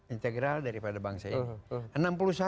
integral daripada bangsa ini